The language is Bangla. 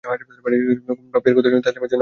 পাপিয়ার কথা শুনে তাসলিমা যেন আকাশ থেকে পড়ল।